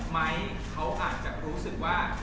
ไหมเขาอาจจะรู้สึกว่า